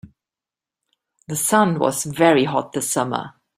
The sun was very hot this summer.